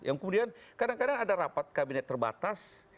yang kemudian kadang kadang ada rapat kabinet terbatas